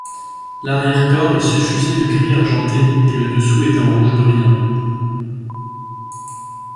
L'arrière-corps est suffusé de gris argenté et le dessous est d’un rouge brillant.